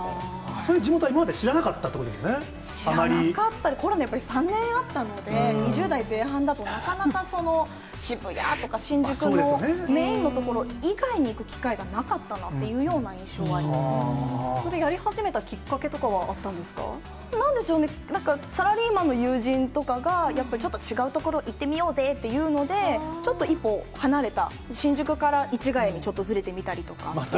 そういう地元は今まで知らな知らなかった、コロナ３年あったので、２０代前半だと、なかなかその渋谷とか、新宿のメインの所以外に行く機会がなかったというような印象はあやり始めたきっかけとかはあなんでしょうね、なんか、サラリーマンの友人とかが、やっぱりちょっと違う所行ってみようぜっていうので、ちょっと一歩離れた、新宿から市ヶ谷にちょっとずれてみたりとか。。